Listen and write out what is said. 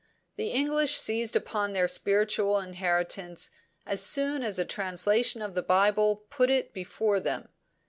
The English seized upon their spiritual inheritance as soon as a translation of the Bible put it before them.